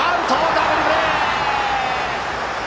ダブルプレー！